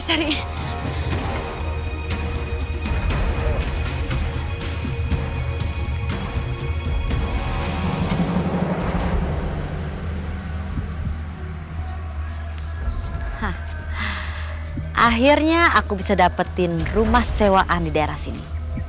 akhirnya aku bisa dapetin rumah sewaan di daerah sini